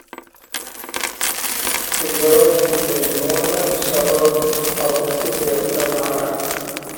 The village is a northern suburb of the city of Elmira.